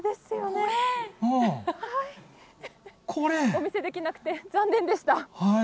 お見せできなくて、残念でした。